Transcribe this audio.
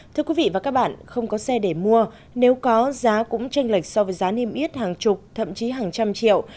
thưa quý vị và các bạn không có xe để mua nếu có giá cũng tranh lệch so với giá niêm yết hàng chục thậm chí hàng trăm triệu